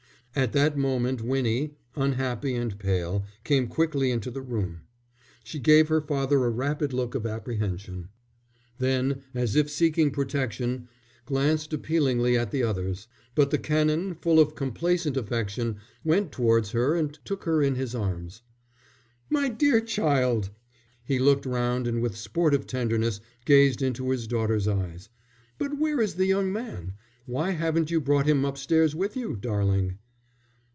At that moment Winnie, unhappy and pale, came quickly into the room. She gave her father a rapid look of apprehension, then, as if seeking protection, glanced appealingly at the others. But the Canon, full of complacent affection, went towards her and took her in his arms. "My dear child!" He looked round, and with sportive tenderness gazed into his daughter's eyes. "But where is the young man? Why haven't you brought him upstairs with you, darling?"